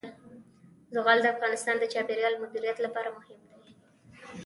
زغال د افغانستان د چاپیریال د مدیریت لپاره مهم دي.